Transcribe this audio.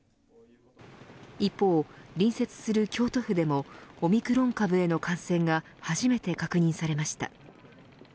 一方、隣接する京都府でもオミクロン株の感染が初めて確認されました。